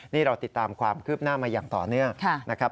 นี่เราติดตามความคืบหน้ามาอย่างต่อเนื่องนะครับ